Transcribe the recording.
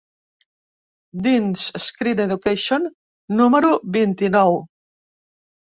Dins Screen Education número vint-i-nou.